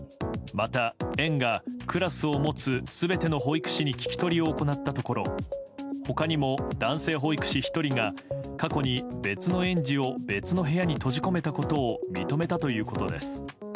また、クラスを持つ全ての保育士に聞き取りを行ったところ他にも男性保育士１人が過去に別の園児を別の部屋に閉じ込めたことを認めたということです。